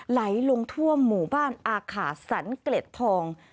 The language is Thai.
ไหลลงทั่วหมู่บ้านอาขาสันเกล็ดทอง